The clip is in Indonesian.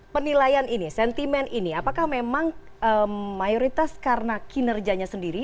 penilaian ini sentimen ini apakah memang mayoritas karena kinerjanya sendiri